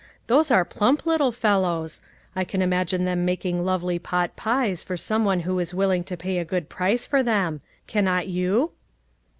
Those are plump little fellows; I can imagine them making lovely pot pies for some one who is willing to pay a good price for them. Cannot you